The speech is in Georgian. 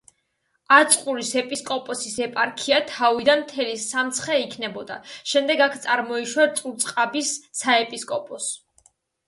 აწყურის ეპისკოპოსის ეპარქია თავიდან მთელი სამცხე იქნებოდა, შემდეგ აქ წარმოიშვა წურწყაბის საეპისკოპოსო.